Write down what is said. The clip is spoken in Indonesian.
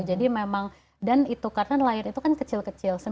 jadi memang dan itu karena nelayan itu kan kecil kecil